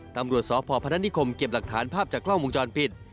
ตำรวจสพพนัทนิคมเก็บหลักฐานภาพจากกล้องวงจรปิด